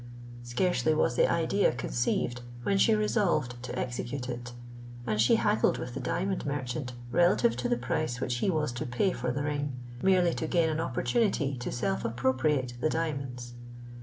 Scarcely was the idea conceived, when she resolved to execute it; and she haggled with the diamond merchant relative to the price which he was to pay for the ring, merely to gain an opportunity to self appropriate the diamonds.